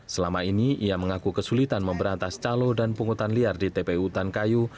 selama ini ia mengaku kesulitan memberantas calo dan pungutan liar di tpu tan kayu